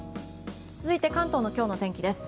続いて関東の今日の天気です。